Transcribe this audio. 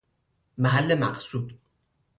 محل مقصود